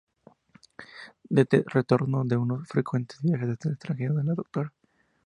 De retorno de uno de sus frecuentes viajes al extranjero, la Dra.